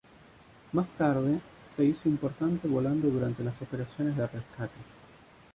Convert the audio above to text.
Más tarde, se hizo importante volando durante las operaciones de rescate.